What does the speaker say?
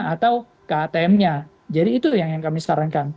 atau ke atm nya jadi itu yang kami sarankan